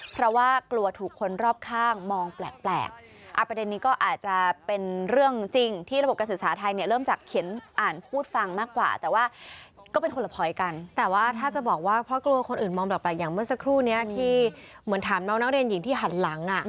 จะบอกว่าเพราะกลัวคนอื่นมองแบบแบบอย่างเมื่อสักครู่นี้ที่เหมือนถามน้องเรนหญิงที่หันหลัง